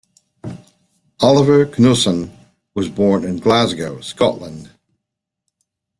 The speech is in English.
Oliver Knussen was born in Glasgow, Scotland.